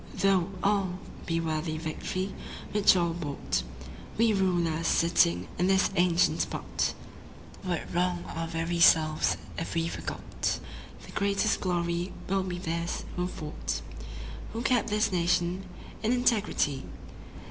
Though all be worthy Victory which all bought, We rulers sitting in this ancient spot Would wrong our very selves if we forgot The greatest glory will be theirs who fought, Who kept this nation in integrity."